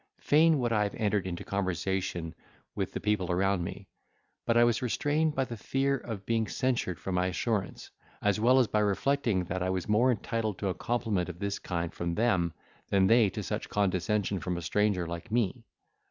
Fain would I have entered into conversation with the people around me: but I was restrained by the fear of being censured for my assurance, as well as by reflecting that I was more entitled to a compliment of this kind from them, than they to such condescension from a stranger like me.